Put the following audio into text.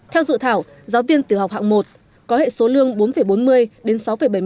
theo dự thảo giáo viên tiểu học hạng một có hệ số lương bốn bốn mươi đến sáu bảy mươi